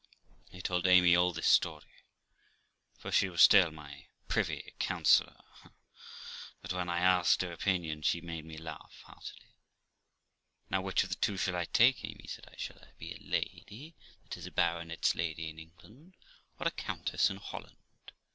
I told Amy all this story, for she was still my privy councillor; but when I asked her opinion, she made me laugh heartily. 'Now, which of the two shall I take, Amy?' said I. 'Shall I be a lady that is, a baronet's lady in England, or a countess in Holland?'